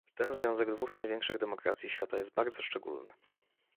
Ten związek dwóch największych demokracji świata jest bardzo szczególny